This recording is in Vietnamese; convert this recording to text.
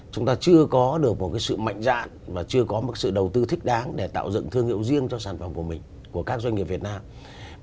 chúng ta chưa có được một sự mạnh dạn và chưa có một sự đầu tư thích đáng để tạo dựng thương hiệu riêng cho sản phẩm của mình của các doanh nghiệp việt nam